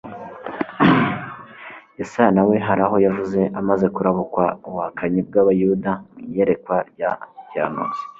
Yesaya na we, hari aho yavuze amaze kurabukwa ubuhakanyi bw'abayuda mu iyerekwa rya gihanuzi,